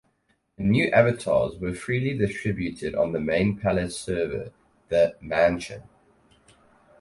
Her new avatars were freely distributed on the main Palace server, the "Mansion".